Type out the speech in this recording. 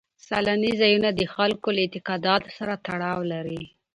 سیلاني ځایونه د خلکو له اعتقاداتو سره تړاو لري.